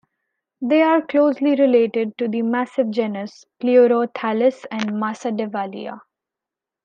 They are closely related to the massive genus "Pleurothallis" and "Masdevallia".